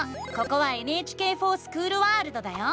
ここは「ＮＨＫｆｏｒＳｃｈｏｏｌワールド」だよ！